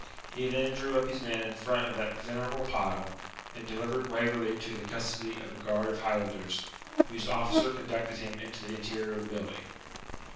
He then drew up his men in front of that venerable pile, and delivered Waverley to the custody of a guard of Highlanders, whose officer conducted him into the interior of the building.